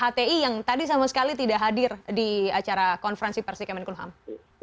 ataupun dengan pihak hti yang tadi sama sekali tidak hadir di acara konferensi pers di kementerian kehubungan